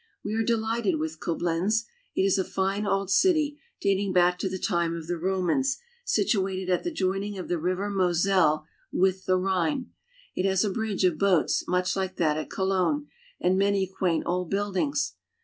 We are delighted with Coblenz. It is a fine old city, dating back to the time of the Romans, situated at the joining of the river Moselle with the Rhine. It has a bridge of boats, much like that at Cologne, and many quaint old buildings.